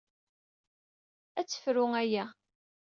Ad tefru aya.